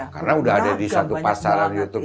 karena udah ada di satu pasaran youtube